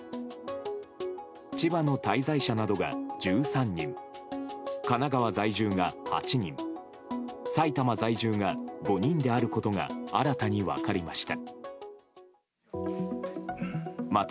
千葉の滞在者などが１３人神奈川在住が８人埼玉在住が５人であることが新たに分かりました。